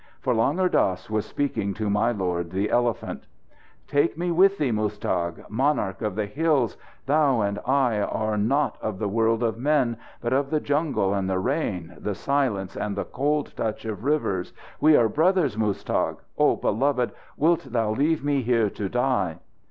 For Langur Dass was speaking to my lord the elephant: "Take me with thee, Muztagh! Monarch of the hills! Thou and I are not of the world of men, but of the jungle and the rain, the silence, and the cold touch of rivers. We are brothers, Muztagh. O beloved, wilt thou leave me here to die!"